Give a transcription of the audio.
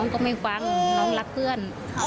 หนูก็ไม่ฟังหนูรักเพื่อน